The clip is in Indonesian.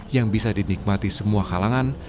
yang bisa dinikmati semua kalangan